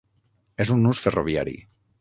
És un nus ferroviari.